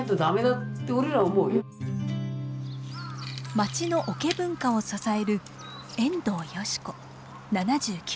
町の桶文化を支える遠藤芳子７９歳。